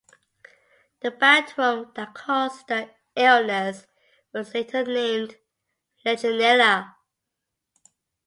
The bacterium that causes the illness was later named "Legionella".